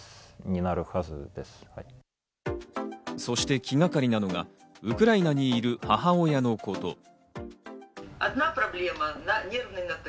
そして気がかりなのがウクライナにいる母親のこと。